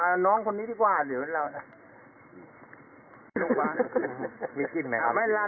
อ่าน้องคนนี้ล่ะหรือเล่าครับ